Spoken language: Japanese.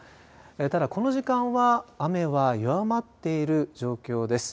ただ、この時間は雨は弱まっている状況です。